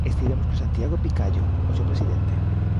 Estivemos con Santiago Picallo, o seu presidente.